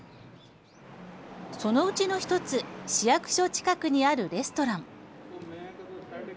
そのうちの１つ市役所近くにあるレストラン。